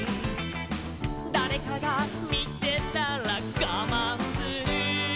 「だれかがみてたらがまんする」